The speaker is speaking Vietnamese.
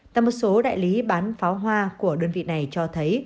tại một số đại lý bán pháo hoa của đơn vị này cho thấy